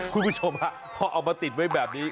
คุณผู้ชมฮะพอเอามาติดไว้แบบนี้